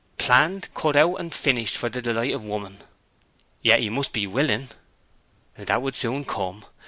'Planned, cut out, and finished for the delight of 'ooman!' 'Yet he must be willing.' 'That would soon come.